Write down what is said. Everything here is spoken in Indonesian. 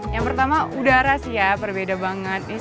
yang pertama udara sih ya berbeda banget